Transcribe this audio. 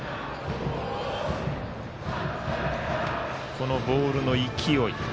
このボールの勢い。